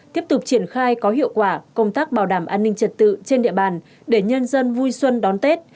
tiếp tục triển khai có hiệu quả công tác bảo đảm an ninh trật tự trên địa bàn để nhân dân vui xuân đón tết